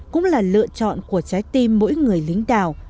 cũng là lựa chọn của trái tim mỗi người lính đảo